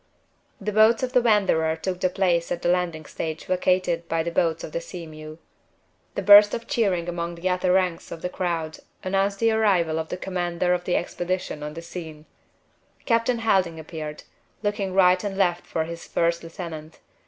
The boats of the Wanderer took the place at the landing stage vacated by the boats of the Sea mew. A burst of cheering among the outer ranks of the crowd announced the arrival of the commander of the expedition on the scene. Captain Helding appeared, looking right and left for his first lieutenant.